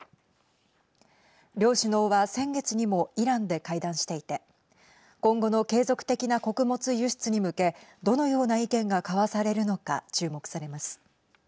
両首脳は先月にもイランで会談していて今後の継続的な穀物輸出に向けどのような意見が交わされるのか注目されます。